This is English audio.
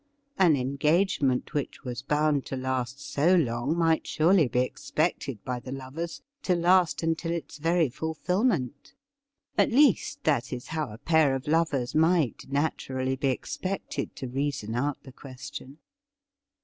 An engagement which was bound to last so long might surely be expected by the lovers to last until its very fulfilment. At least, that is how a pair of lovers might naturally be expected to reason out the question.